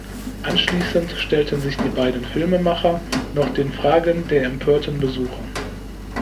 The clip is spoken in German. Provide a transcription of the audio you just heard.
Anschließend stellten sich die beiden Filmemacher noch den Fragen der empörten Besucher.